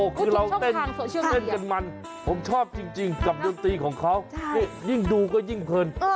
คือเราเต้นเต้นกันมันผมชอบจริงกับดนตรีของเขานี่ยิ่งดูก็ยิ่งเพลิน